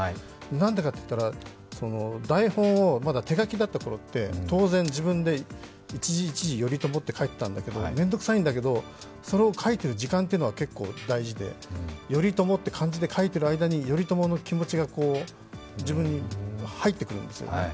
なんでかっていったら、台本をまだ手書きだった頃って当然自分で一字一字頼朝って書いてたんだけど面倒くさいんだけど、それを書いている時間が結構大事で、頼朝って漢字で書いている間に、頼朝の気持ちが自分に入ってくるんですよね。